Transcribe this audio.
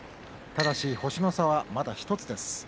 ただし、星の差はまだ１つです。